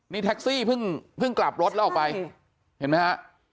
นี่แท็กซี่เพิ่งกลับรถแล้วออกไปเห็นไหมฮะ